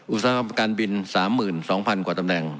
อุตสาหกรรมการบินสามหมื่นสองพันกว่าตำแหน่ง